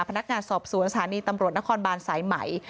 พนักงานสอบสวนสถานีตำรวจนครบานสายไหม